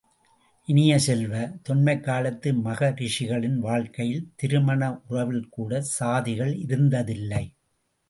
இனிய செல்வ, தொன்மைக் காலத்து மகரிஷிகளின் வாழ்க்கையில் திருமண உறவில் கூடச் சாதிகள் இருந்ததில்லை.